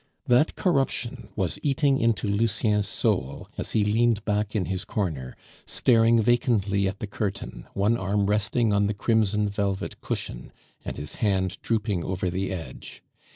That corruption was eating into Lucien's soul, as he leaned back in his corner, staring vacantly at the curtain, one arm resting on the crimson velvet cushion, and his hand drooping over the edge.